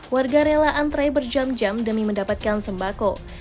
warga rela antre berjam jam demi mendapatkan sembako